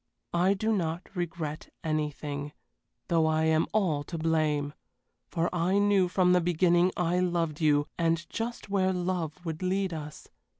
I do not regret anything, though I am all to blame, for I knew from the beginning I loved you, and just where love would lead us.